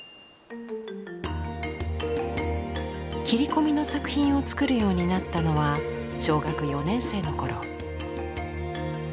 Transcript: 切り込みの作品を作るようになったのは小学４年生の頃。